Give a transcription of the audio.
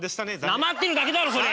なまってるだけだろそれ！